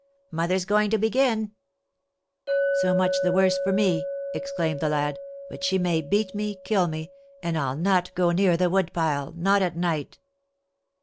"Mother's going to begin." "So much the worse for me," exclaimed the lad. "But she may beat me, kill me, and I'll not go near the wood pile not at night."